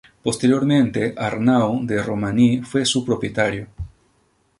Posteriormente Arnau de Romaní fue su propietario.